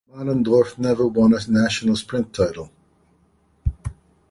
Mahlendorf never won a national sprint title.